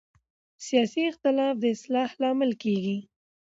سیاسي اختلاف د اصلاح لامل کېږي